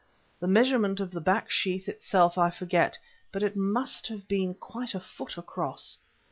The measurement of the back sheath itself I forget, but it must have been quite a foot across.